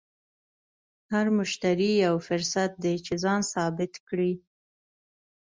هر مشتری یو فرصت دی چې ځان ثابت کړې.